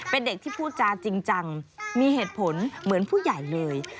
เป็นเด็กที่พูดจาจริงจังมีเหตุผลเหมือนผู้ใหญ่เลย